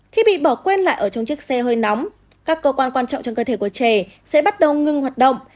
khi bị bỏ quên lại ở trong chiếc xe hơi nóng các cơ quan quan trọng trong cơ thể của trẻ sẽ bắt đầu ngưng hoạt động